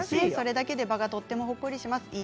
それだけで場がほっこりします。